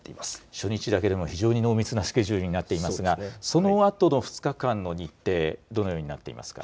初日だけでも濃密なスケジュールになっていますがそのあとの２日間の日程、どのようになっていますか。